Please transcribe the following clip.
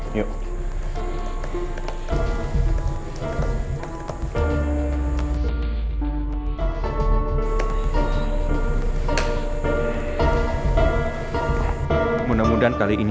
serius penting banget ini